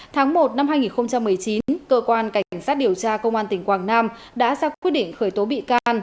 tháng một năm hai nghìn một mươi chín cơ quan cảnh sát điều tra công an tỉnh quảng nam đã ra quyết định khởi tố bị can